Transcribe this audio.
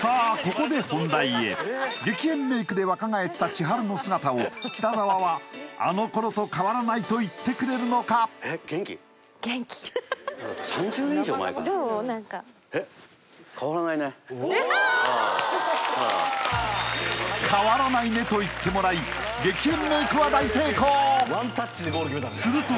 ここで本題へ激変メイクで若返ったちはるの姿を北澤はあの頃と変わらないと言ってくれるのか何か変わらないねと言ってもらいすると